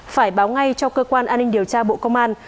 phải báo ngay cho cơ quan an ninh điều tra bộ công an